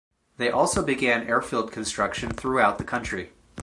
They also began airfield construction throughout the country.